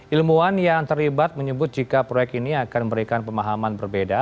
ilmuwan yang terlibat menyebut jika proyek ini akan memberikan pemahaman berbeda